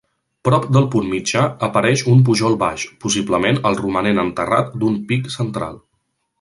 Prop del punt mitjà apareix un pujol baix, possiblement el romanent enterrat d'un pic central.